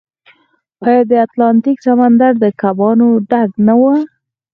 آیا د اتلانتیک سمندر د کبانو ډک نه و؟